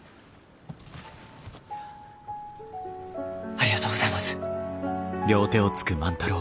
ありがとうございます。